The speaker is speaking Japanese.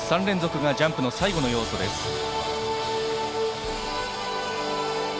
３連続がジャンプの最後の要素です。